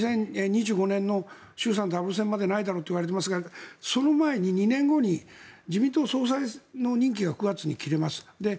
２０２５年の衆参ダブル選までないといわれていますがその前に２年後に自民党総裁の任期が９月に切れます。